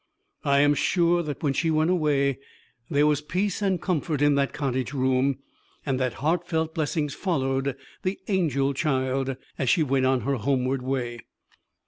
I am sure that when she went away there was peace and comfort in that cottage room, and that heartfelt blessings followed the "Angel Child" as she went on her homeward way.